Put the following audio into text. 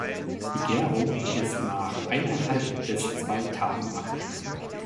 Die Gärung ist nach eineinhalb bis zwei Tagen abgeschlossen.